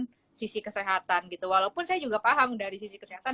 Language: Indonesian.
dari sisi kesehatan gitu walaupun saya juga paham dari sisi kesehatan